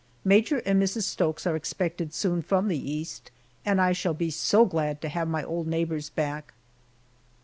Major and Mrs. Stokes are expected soon from the East, and I shall be so glad to have my old neighbors back.